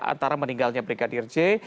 antara meninggalnya brigadir j